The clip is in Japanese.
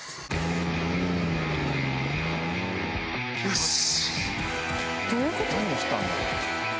よし！